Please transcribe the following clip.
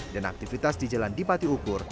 dan aktivitas di jalan di patiukur